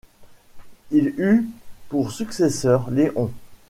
Il eut pour successeur Léon.